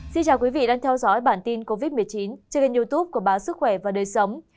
xin chào quý vị đang theo dõi bản tin covid một mươi chín trên youtube của báo sức khỏe và đời sống